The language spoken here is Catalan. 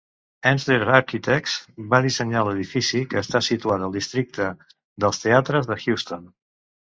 Ensler Architects va dissenyar l'edifici, que està situat al districte dels teatres de Houston.